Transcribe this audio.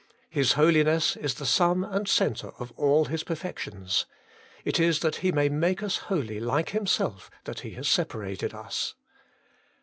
His holiness is the sum and the centre of all His perfections ; it is that He may make us holy like Himself that He has separated us.